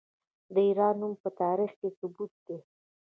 د ایران نوم په تاریخ کې ثبت دی.